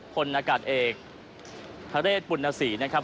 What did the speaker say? คนอากาศเอกพระเรศปุ่นนาศีนะครับ